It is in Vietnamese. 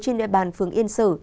trên nệp bàn phường yên sở